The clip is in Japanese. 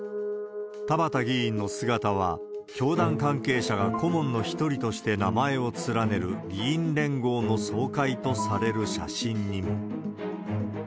田畑議員の姿は、教団関係者が顧問の一人として名前を連ねる議員連合の総会とされる写真にも。